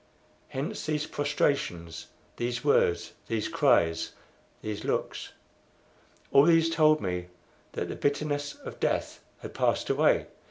Hence these prostrations, these words, these cries, these looks. All these told me that the bitterness of death had passed away.